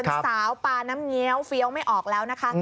เป็นสาวปลาน้ำเงี้ยวเฟี้ยวไม่ออกแล้วนะคะ